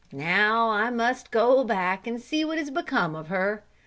"Now I must go back and see what has become of her.